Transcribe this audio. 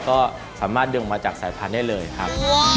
ก็สามารถดึงมาจากสายพันธุ์ได้เลยครับ